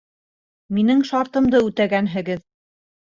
Минең шартымды үтәгәнһегеҙ.